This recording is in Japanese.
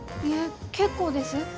いえ結構です。